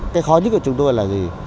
cái khó nhất của chúng tôi là gì